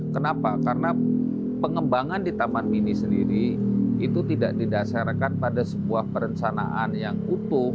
kenapa karena pengembangan di taman mini sendiri itu tidak didasarkan pada sebuah perencanaan yang utuh